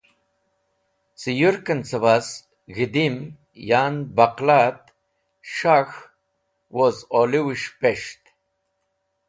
Cẽ yũrk en cẽbas g̃hidim, yan baqla et s̃hak̃h woz olũwes̃h pes̃ht.